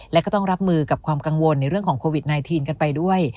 และก็ต้องรับมือกับความกังวลในเรื่องของโควิด๑๙กันไปด้วย